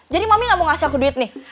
jadi mami gak mau kasih aku duit nih